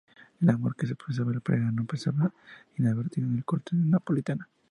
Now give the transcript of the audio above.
El amor que se profesaba la pareja no pasaba inadvertido en la corte napolitana.